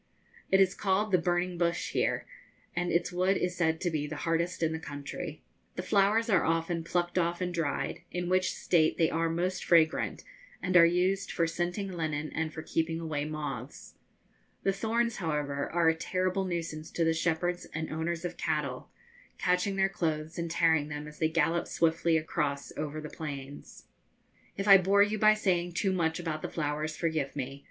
It is called the 'burning bush' here, and its wood is said to be the hardest in the country. The flowers are often plucked off and dried, in which state they are most fragrant and are used for scenting linen and for keeping away moths. The thorns, however, are a terrible nuisance to the shepherds and owners of cattle, catching their clothes and tearing them as they gallop swiftly across over the plains. If I bore you by saying too much about the flowers, forgive me.